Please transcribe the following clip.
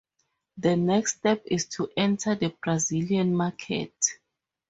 The next step is to enter the Brazilian market.